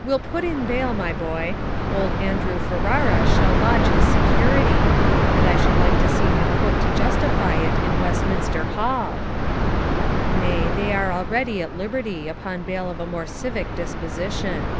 'We'll put in bail, my boy; old Andrew Ferrara [Footnote: See Note 10] shall lodge his security; and I should like to see him put to justify it in Westminster Hall!' 'Nay, they are already at liberty, upon bail of a more civic disposition.'